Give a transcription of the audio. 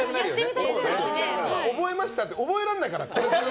覚えました？って覚えられないから。